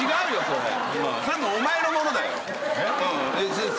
それお前のものだよ。